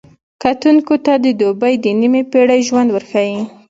کتونکو ته د دوبۍ د نیمې پېړۍ ژوند ورښيي.